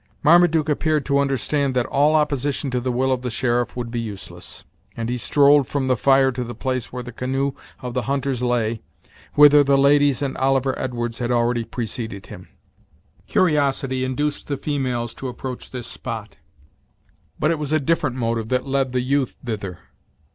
Marmaduke appeared to understand that all opposition to the will of the sheriff would be useless, and he strolled from the fire to the place where the canoe of the hunters lay, whither the ladies and Oliver Edwards had already preceded him. Curiosity induced the females to approach this spot; but it was a different motive that led the youth thither.